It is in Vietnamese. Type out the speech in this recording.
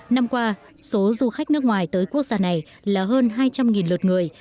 năm qua số du khách nước ngoài tới quốc gia này là hơn hai trăm linh lượt người